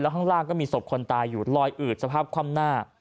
ข้างล่างก็มีศพคนตายอยู่ลอยอืดสภาพคว่ำหน้า